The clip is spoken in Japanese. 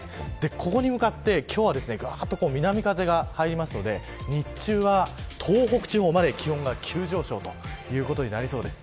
ここに向かって今日は南風が入りますので、日中は東北地方まで気温が急上昇ということになりそうです。